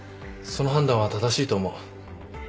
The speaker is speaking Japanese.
その判断は正しいと思う。